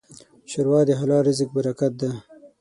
ښوروا د حلال رزق برکت ده.